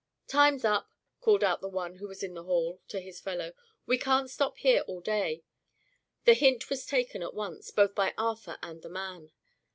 "Time's up," called out the one who was in the hall, to his fellow. "We can't stop here all day." The hint was taken at once, both by Arthur and the man.